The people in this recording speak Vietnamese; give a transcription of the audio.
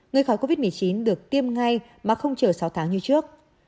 người khỏi covid một mươi chín được tiêm ngay mà không chờ sáu tháng như trước